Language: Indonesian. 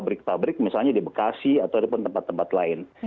pabrik pabrik misalnya di bekasi ataupun tempat tempat lain